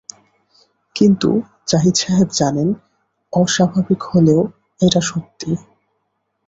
কিন্তু জাহিদ সাহেব জানেন, অস্বাভাবিক হলেও এটা সত্যি।